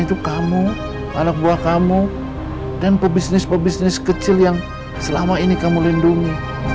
itu kamu anak buah kamu dan pebisnis pebisnis kecil yang selama ini kamu lindungi